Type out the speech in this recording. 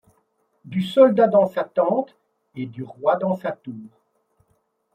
Du soldat dans sa tente et du roi : dans sa tour